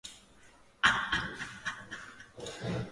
Se encuentra únicamente en las montañas del noroeste de Vietnam.